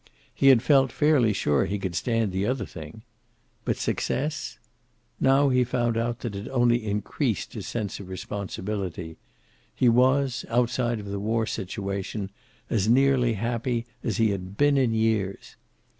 He had felt fairly sure he could stand the other thing. But success Now he found that it only increased his sense of responsibility. He was, outside of the war situation, as nearly happy as he had been in years.